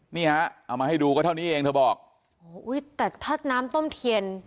นี่ฮะเอามาให้ดูก็เท่านี้เองเธอบอกโอ้อุ้ยแต่ถ้าน้ำต้มเทียน